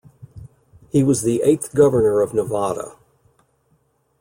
He was the eighth Governor of Nevada.